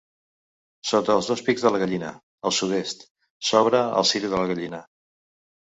Sota els dos pics de la Gallina, al sud-est, s'obre el Circ de la Gallina.